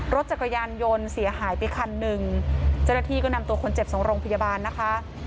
รถจักรยานยนต์เสียหายไปคันหนึ่งเจ้าหน้าที่ก็นำตัวคนเจ็บส่งโรงพยาบาลนะคะ